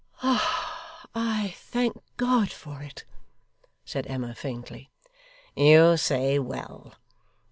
'I thank God for it,' said Emma, faintly. 'You say well.